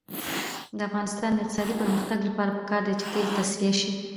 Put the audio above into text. د افغانستان د اقتصادي پرمختګ لپاره پکار ده چې تیل تصفیه شي.